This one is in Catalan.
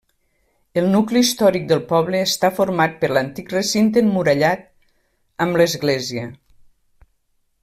El nucli històric del poble està format per l'antic recinte emmurallat amb l'església.